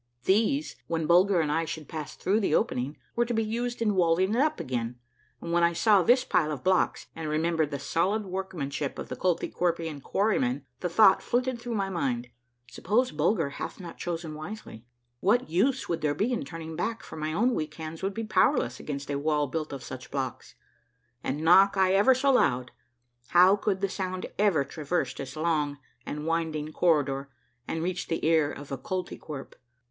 These, when Bulger and I should pass through the opening, were to be used in walling it up again ; and when I saw this pile of blocks, and remembered the solid workmanship of the Kolty kwerpian quarrymen, the thought flitted through my mind : Sup pose Bulger hath not chosen wusely, what use would there be in turning back, for my own weak hands would be powerless against a wall built of such blocks, and knock I ever so loud, how could the sound ever traverse this long and winding corri dor and reach the ear of a Koltykwerp?